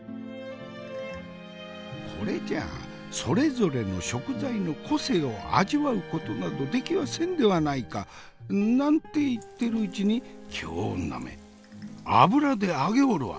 これじゃあそれぞれの食材の個性を味わうことなどできはせんではないか。なんて言ってるうちに京女め油で揚げおるわ。